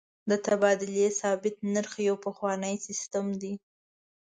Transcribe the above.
د تبادلې ثابت نرخ یو پخوانی سیستم دی.